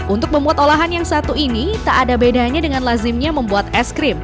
untuk membuat olahan yang satu ini tak ada bedanya dengan lazimnya membuat es krim